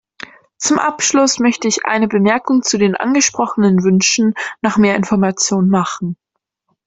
Zum Abschluss möchte ich eine Bemerkung zu den angesprochenen Wünschen nach mehr Information machen.